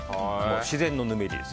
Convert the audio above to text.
自然のぬめりです。